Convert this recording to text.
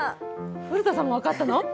古田さんも分かったの？